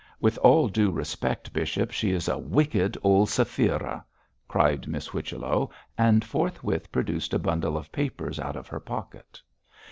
'With all due respect, bishop, she is a wicked old Sapphira!' cried Miss Whichello, and forthwith produced a bundle of papers out of her pocket.